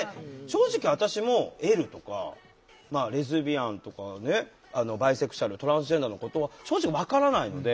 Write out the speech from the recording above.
正直私も「Ｌ」とか「レズビアン」とか「バイセクシュアル」「トランスジェンダー」のことは正直分からないので。